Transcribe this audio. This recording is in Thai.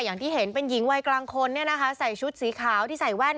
อย่างที่เห็นเป็นหญิงวัยกลางคนใส่ชุดสีขาวใส่แว่น